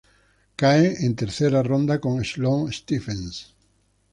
Cae en tercera ronda con Sloane Stephens.